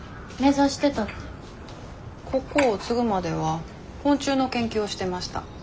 ここを継ぐまでは昆虫の研究をしてました。